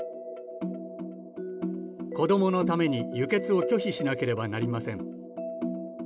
子供のために輸血を拒否しなければなりません。